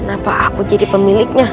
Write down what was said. apa aku jadi pemiliknya